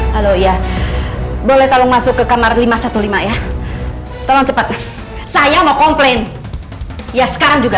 halo ya boleh tolong masuk ke kamar lima ratus lima belas ya tolong cepat saya mau komplain ya sekarang juga